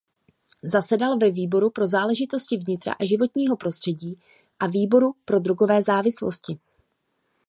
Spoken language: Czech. Zasedl ve výboru pro záležitosti vnitra a životního prostředí a výboru pro drogové závislosti.